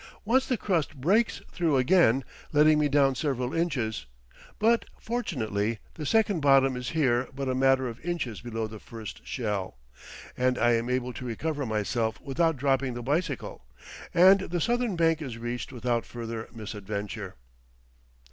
Once the crust breaks through again, letting me down several inches; but, fortunately, the second bottom is here but a matter of inches below the first shell, and I am able to recover myself without dropping the bicycle; and the southern bank is reached without further misadventure.